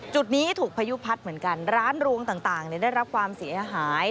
จุดนี้ถูกพายุพัดเหมือนกันร้านรวงต่างได้รับความเสียหาย